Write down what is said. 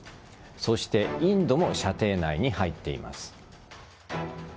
そしてインドも射程内に入っています。